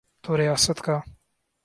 تو ریاست کا۔